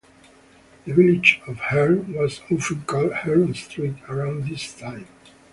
The village of Herne was often called Herne Street around this time.